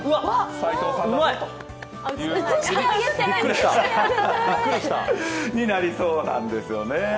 斎藤さんという感じになりそうなんですよね。